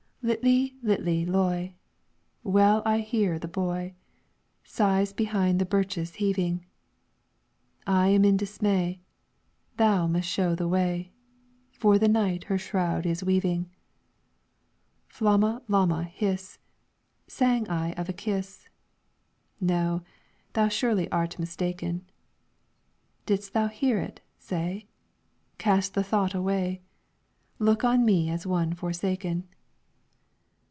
"Litli litli loy, Well I hear the boy, Sighs behind the birches heaving. I am in dismay, Thou must show the way, For the night her shroud is weaving. "Flomma, lomma, hys, Sang I of a kiss, No, thou surely art mistaken. Didst thou hear it, say? Cast the thought away; Look on me as one forsaken.